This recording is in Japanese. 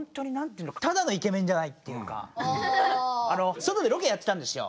外でロケやってたんですよ。